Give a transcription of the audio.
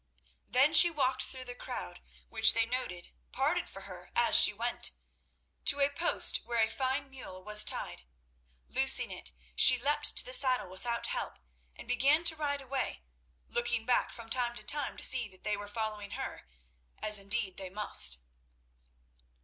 Then she walked through the crowd, which, they noted, parted for her as she went, to a post where a fine mule was tied. Loosing it, she leaped to the saddle without help, and began to ride away, looking back from time to time to see that they were following her, as, indeed, they must.